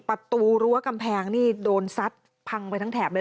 ประตูรั้วกำแพงนี่โดนซัดพังไปทั้งแถบเลย